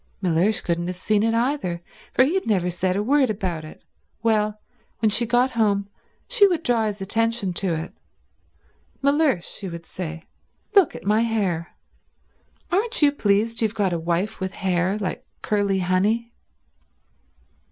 Mellersh couldn't have seen it either, for he had never said a word about it. Well, when she got home she would draw his attention to it. "Mellersh," she would say, "look at my hair. Aren't you pleased you've got a wife with hair like curly honey?"